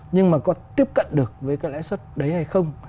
nhưng mà có tiếp cận được với cái lãi suất đấy hay không